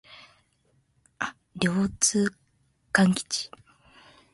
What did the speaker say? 両津勘吉